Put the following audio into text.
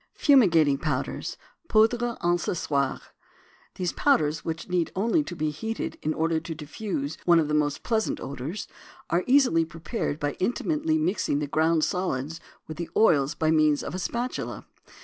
FUMIGATING POWDERS (POUDRES ENCENSOIRES). These powders which need only to be heated in order to diffuse one of the most pleasant odors, are easily prepared by intimately mixing the ground solids with the oils by means of a spatula.